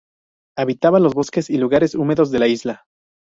Habitaba los bosques y lugares húmedos de la isla.